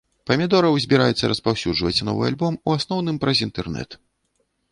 Памідораў збіраецца распаўсюджваць новы альбом у асноўным праз інтэрнэт.